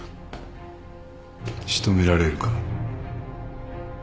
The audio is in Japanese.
仕留められるか？